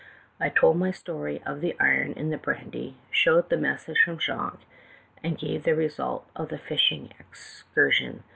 "I told my story of the iron in the brandy, showed the message from Jacques, and gave the result of the fishing excursion.